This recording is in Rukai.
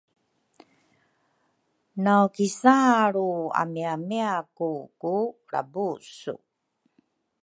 nawkisaalru amiamiaku ku lrabusu.